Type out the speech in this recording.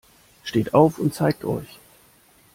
Steht auf und zeigt euch!